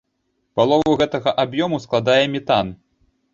Палову гэтага аб'ёму складае метан.